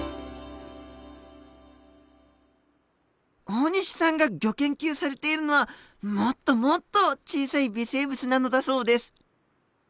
大西さんがギョ研究されているのはもっともっと小さい微生物なのだそうです。